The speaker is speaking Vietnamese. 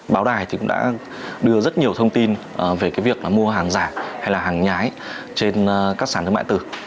báo đài thì cũng đã đưa rất nhiều thông tin về cái việc là mua hàng giả hay là hàng nhái trên các sản thương mại tử